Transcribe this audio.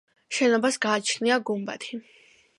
შენობას გააჩნია გუმბათი.